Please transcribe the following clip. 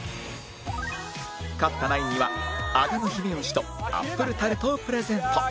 勝ったナインにはあがの姫牛とアップルタルトをプレゼント